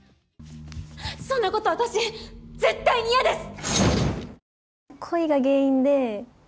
そんなこと私、絶対に嫌です！